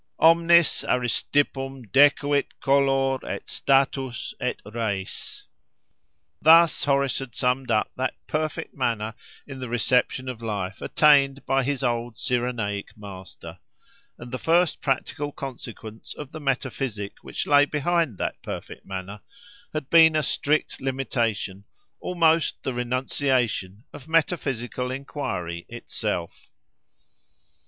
Omnis Aristippum decuit color et status et res.— Thus Horace had summed up that perfect manner in the reception of life attained by his old Cyrenaic master; and the first practical consequence of the metaphysic which lay behind that perfect manner, had been a strict limitation, almost the renunciation, of metaphysical enquiry itself.